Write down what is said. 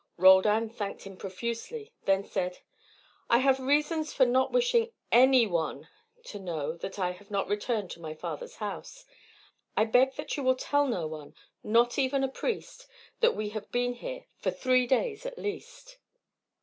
Roldan thanked him profusely, then said: "I have reasons for not wishing ANY ONE to know that I have not returned to my father's house. I beg that you will tell no one, not even a priest, that we have been here, for three days at least."